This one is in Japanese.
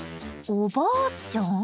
おばあちゃん？